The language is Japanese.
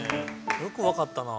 よくわかったな。